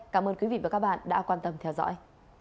cảm ơn quý vị và các bạn đã quan tâm theo dõi